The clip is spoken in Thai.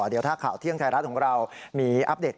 เดี๋ยวถ้าข่าวเที่ยงไทยรัฐของเรามีอัปเดต